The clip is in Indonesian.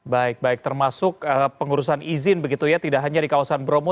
baik baik termasuk pengurusan izin begitu ya tidak hanya di kawasan bromo